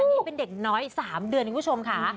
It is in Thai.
นี่เป็นเด็กน้อย๓เดือนคุณผู้ชมค่ะ